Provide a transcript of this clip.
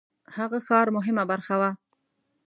هغه ښار مهمه برخه وه.